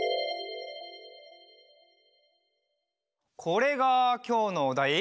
これがきょうのおだい？